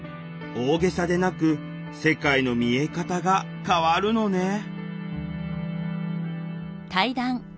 大げさでなく世界の見え方が変わるのね